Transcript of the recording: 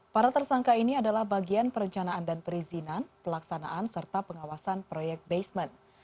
para tersangka ini adalah bagian perencanaan dan perizinan pelaksanaan serta pengawasan proyek basement